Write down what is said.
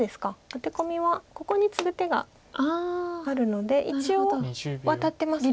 アテ込みはここにツグ手があるので一応ワタってます。